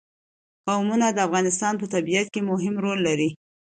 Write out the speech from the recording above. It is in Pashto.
قومونه د افغانستان په طبیعت کې مهم رول لري.